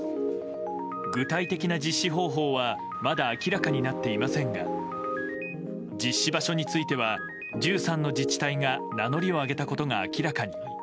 具体的な実施方法はまだ明らかになっていませんが実施場所については１３の自治体が名乗りを上げたことが明らかに。